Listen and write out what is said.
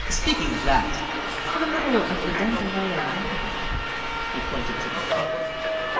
Speaking of that, have a little of the dandelion wine." He pointed to the decanter.